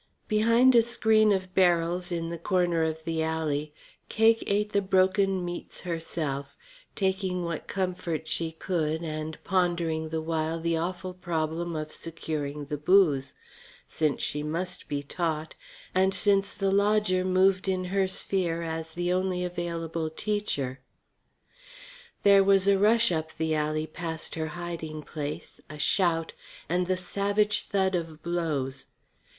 Behind a screen of barrels in the corner of the alley Cake ate the broken meats herself, taking what comfort she could, and pondering the while the awful problem of securing the booze, since she must be taught, and since the lodger moved in her sphere as the only available teacher. There was a rush up the alley past her hiding place, a shout, and the savage thud of blows.